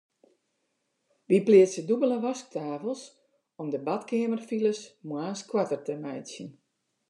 Wy pleatse dûbelde wasktafels om de badkeamerfiles moarns koarter te meitsjen.